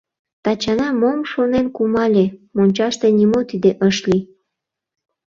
Тачана мом шонен кумале — мончаште нимо тиде ыш лий.